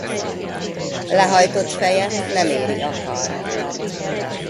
Lehajtott fejet nem éri a kard.